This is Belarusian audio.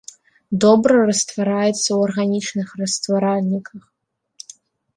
Добра раствараецца ў арганічных растваральніках.